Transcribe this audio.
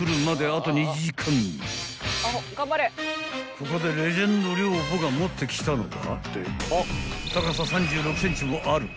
［ここでレジェンド寮母が持ってきたのは］